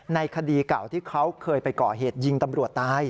ในคดีเก่าที่เขาเคยไปก่อเหตุยิงตำรวจตาย